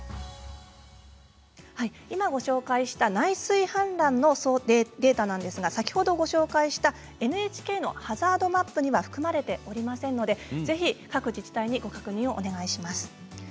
今、ご紹介した内水氾濫の想定データなんですが先ほど、ご紹介したＮＨＫのハザードマップには含まれておりませんのでぜひ各自治体にご確認をお願いします。